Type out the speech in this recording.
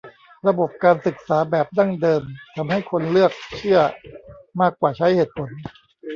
ระบบการศึกษาแบบดั้งเดิมทำให้คนเลือกเชื่อมากกว่าใช้เหตุผล